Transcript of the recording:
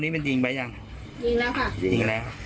นี่หน้าบ้านรุ่นน้องนะฮะ